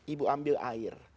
ibu ambil air